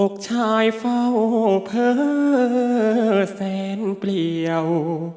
อกชายเฝ้าเพ้อแสนเปรี้ยว